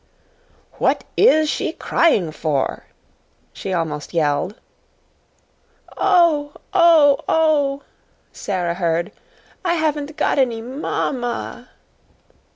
"What IS she crying for?" she almost yelled. "Oh oh oh!" Sara heard; "I haven't got any mam ma a!"